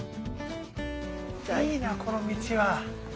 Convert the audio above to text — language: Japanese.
いいなこの道は。